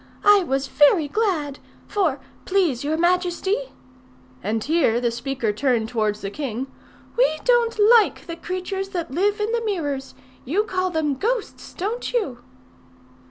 I was very glad; for, please your majesty," and here the speaker turned towards the king "we don't like the creatures that live in the mirrors. You call them ghosts, don't you?"